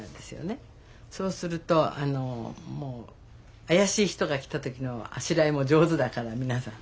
そうするともう怪しい人が来た時のあしらいも上手だから皆さん。